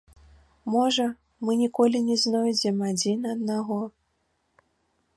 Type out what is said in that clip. Можа, мы ніколі не знойдзем адзін аднаго.